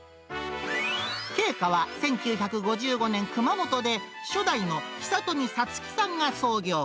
桂花は１９５５年、熊本で、初代の久富サツキさんが創業。